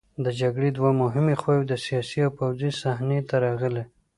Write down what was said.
د جګړې دوه مهمې خواوې د سیاسي او پوځي صحنې ته راغلې.